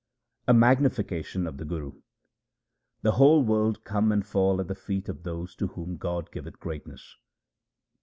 A magnification of the Guru :— The whole world come and fall at the feet of those to whom God giveth greatness.